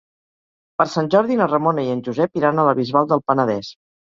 Per Sant Jordi na Ramona i en Josep iran a la Bisbal del Penedès.